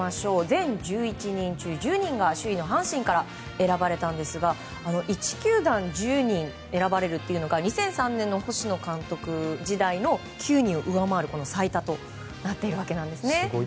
全１１人中１０人が首位の阪神から選ばれたんですが１球団１０人選ばれるというのが２００３年の星野監督時代の９人を上回る最多となっているわけなんですね。